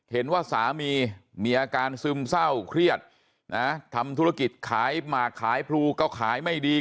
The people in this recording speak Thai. เห็นว่าสามีมีอาการซึมเศร้าเครียดนะทำธุรกิจขายหมากขายพลูก็ขายไม่ดี